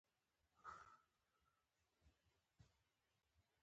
وادي د افغانستان د چاپیریال ساتنې لپاره مهم دي.